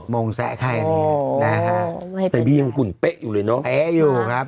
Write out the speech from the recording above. งงแซะใครอันนี้นะฮะแต่บี้ยังหุ่นเป๊ะอยู่เลยเนอะเอ๊ะอยู่ครับ